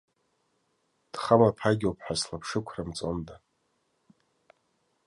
Дхамаԥагьоуп ҳәа слаԥшықәрымҵонда!